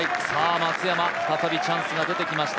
松山、再びチャンスが出てきました